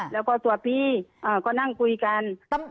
แล้วก็ตัวพี่ก็นั่งคุยกัน